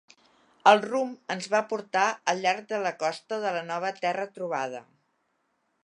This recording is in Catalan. El rumb ens va portar al llarg de la costa de la nova terra trobada.